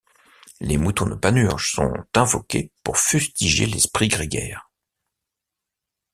Les moutons de Panurge sont invoqués pour fustiger l'esprit grégaire.